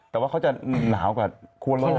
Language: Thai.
แต่ว่าเขาจะหนาวกว่าครัวรถ